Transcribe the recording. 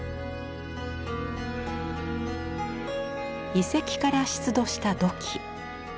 遺跡から出土した土器。